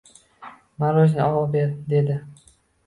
Morojniy ober, dedi.